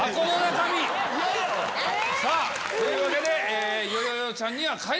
さぁというわけで。